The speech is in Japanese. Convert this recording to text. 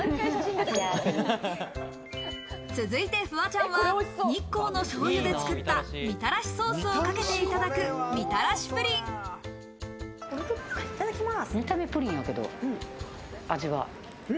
続いてフワちゃんは日光の醤油で作った、みたらしソースをかけていただく、みたらしいただきます。